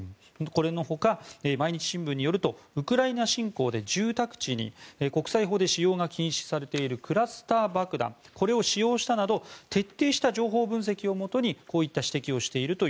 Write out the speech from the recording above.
これのほか、毎日新聞によるとウクライナ侵攻で住宅地に国際法で使用が禁止されているクラスター爆弾を使用したなど徹底した情報分析をもとにこういった指摘をしていると。